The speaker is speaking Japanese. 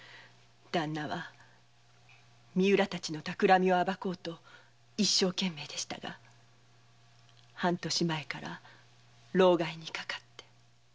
ダンナは三浦たちのたくらみを暴こうと一生懸命でしたが半年前から労咳にかかって。